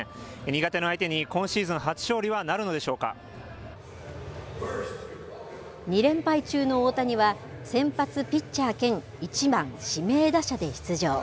苦手な相手に今シーズン初勝利は２連敗中の大谷は、先発ピッチャー兼１番指名打者で出場。